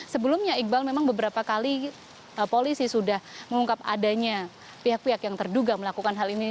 sebelumnya iqbal memang beberapa kali polisi sudah mengungkap adanya pihak pihak yang terduga melakukan hal ini